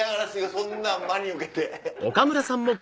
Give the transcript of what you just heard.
そんなん真に受けて。